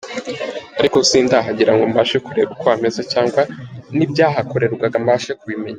Ariko sindahagera ngo mbashe kureba uko hameze, cyangwa n’ibyahakorerwaga mbashe kubimenya.